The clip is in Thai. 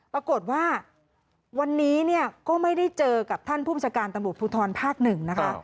ปรากฏว่าวันนี้เนี่ยก็ไม่ได้เจอกับท่านผู้บัญชาการตำรวจภูทรภาคหนึ่งนะคะ